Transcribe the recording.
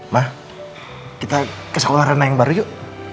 ma kita ke sekolah rena yang baru yuk